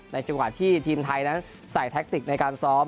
จังหวะที่ทีมไทยนั้นใส่แท็กติกในการซ้อม